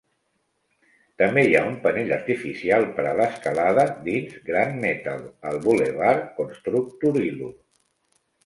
També hi ha un panell artificial per a l'escalada dins Grant Metal al bulevard Constructorilor.